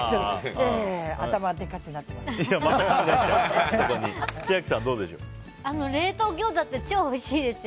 頭でっかちになってます。